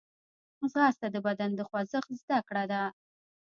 ځغاسته د بدن د خوځښت زدهکړه ده